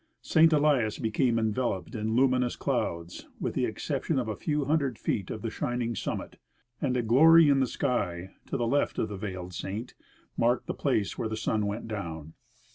St. Elias became enveloped in luminous clouds, with the exception of a few hundred feet of the shining summit; and a glory in the sky, to the left of the veiled Saint, marked the place where the sun went down.